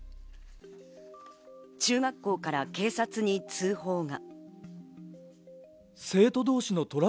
中学校から警察に通報が。